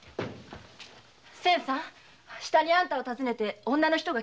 仙さん下にあんたを訪ねて女の人が来てますよ。